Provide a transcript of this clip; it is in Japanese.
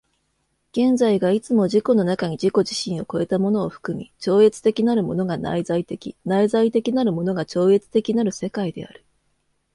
現在がいつも自己の中に自己自身を越えたものを含み、超越的なるものが内在的、内在的なるものが超越的なる世界である。